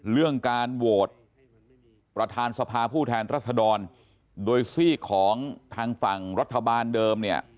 เรื่องการโหวตประธานสภาผู้แทนรัศดรโดยซีกของทางฝั่งรัฐบาลเดิมเนี่ย